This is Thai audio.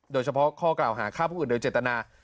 โดยเฉพาะข้อกล่าวหาฆ่าผู้อื่นโดยเจตนา